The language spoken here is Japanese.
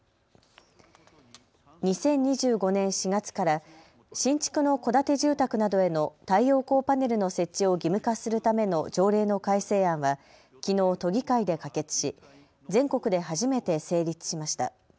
２０２５年４月から新築の戸建て住宅などへの太陽光パネルの設置を義務化するための条例の改正案は、きのう都議会で可決し全国で初めて成立しました。